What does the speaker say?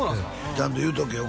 ちゃんと言うとけよ